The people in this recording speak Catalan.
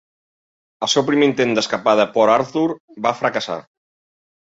El seu primer intent d'escapar de Port Arthur va fracassar.